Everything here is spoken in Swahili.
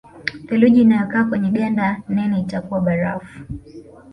Theluji inayokaa kwenye ganda nene itakuwa barafu